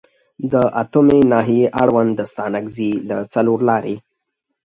د اتمې ناحیې اړوند د ستانکزي له څلورلارې